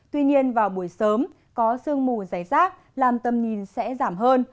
tuy nhiên vào buổi sớm có sương mù dày rác làm tầm nhìn sẽ giảm hơn